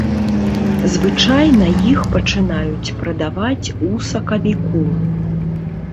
Звычайна іх пачынаюць прадаваць у сакавіку.